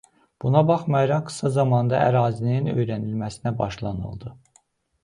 Buna baxmayaraq qısa zamanda ərazinin öyrənilməsinə başlanıldı.